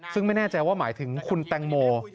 ซึ่งไม่แน่ใจว่าหมายถึงคุณแตงโม